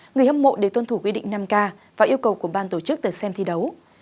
người hâm mộ để tuân thủ quy định năm k và yêu cầu của ban tổ chức tới xem thi đấu